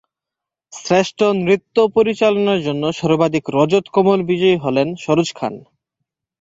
শ্রেষ্ঠ নৃত্য পরিচালনার জন্য সর্বাধিক রজত কমল বিজয়ী হলেন সরোজ খান।